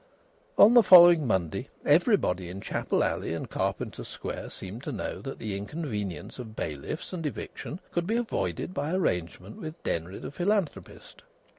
On the following Monday everybody in Chapel Alley and Carpenter's Square seemed to know that the inconvenience of bailiffs and eviction could be avoided by arrangement with Denry the philanthropist.